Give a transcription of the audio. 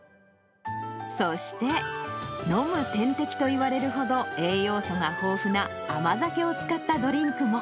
そして、飲む点滴といわれるほど栄養素が豊富な甘酒を使ったドリンクも。